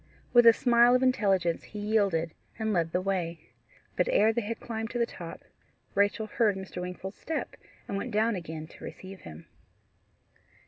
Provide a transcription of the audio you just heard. With a smile of intelligence he yielded and led the way. But ere they had climbed to the top, Rachel heard Mr. Wingfold's step, and went down again to receive him.